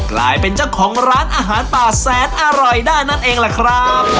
กลายเป็นเจ้าของร้านอาหารป่าแสนอร่อยได้นั่นเองล่ะครับ